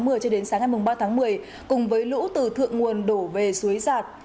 hai tháng một mươi cho đến sáng ngày ba tháng một mươi cùng với lũ từ thượng nguồn đổ về suối giặc